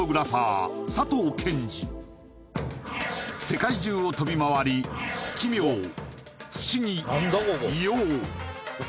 世界中を飛び回り奇妙不思議異様